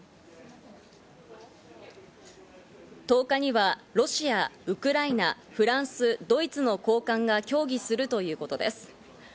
１０日にはロシア、ウクライナ、フランス、ドイツの高官が協議するということです。